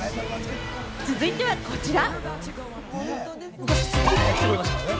続いてはこちら。